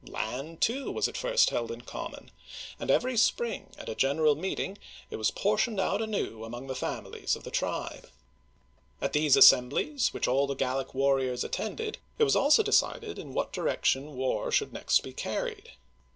Land, too, was at first held in common, and every spring, at a general meeting, it was portioned out Digitized by VjOOQIC THE GAULS 19 anew among the families of the tribe. At these assemblies, which all the Gallic warriors attended, it was also decided in what direction war should next be carried.